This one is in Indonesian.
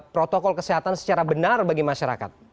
protokol kesehatan secara benar bagi masyarakat